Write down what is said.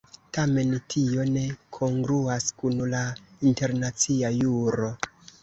Tamen tio ne kongruas kun la internacia juro.